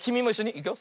いくよ。